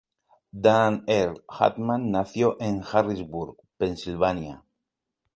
Dan Earl Hartman nació en Harrisburg, Pennsylvania.